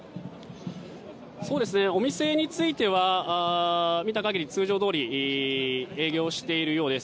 お店については見た限り通常どおり営業をしているようです。